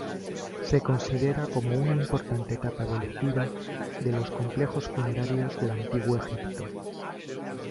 Se considera como una importante etapa evolutiva de los complejos funerarios del antiguo Egipto.